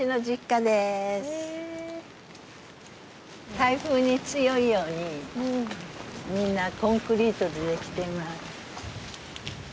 台風に強いようにみんなコンクリートでできています。